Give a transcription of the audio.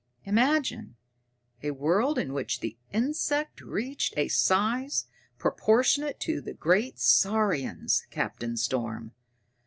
Imagine a world in which the insect reached a size proportionate to the great saurians, Captain Storm!